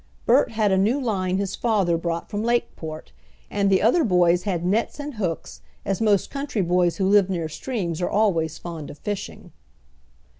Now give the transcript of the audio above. Bert had a new line his father brought from Lakeport, and the others boys had nets and hooks, as most country boys who live near streams are always fond of fishing.